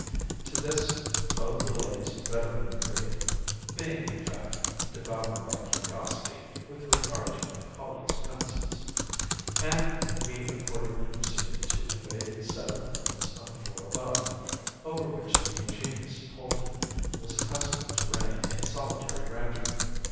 To this both the ladies readily agreed (being, in fact, devoured by curiosity with regard to my colleague's premises), and we accordingly proceeded to invade the set of rooms on the floor above, over which the ingenious Polton was accustomed to reign in solitary grandeur.